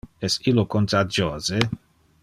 Es illo contagiose?